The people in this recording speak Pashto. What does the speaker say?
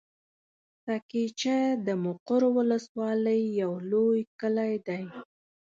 سه کېچه د مقر ولسوالي يو لوی کلی دی.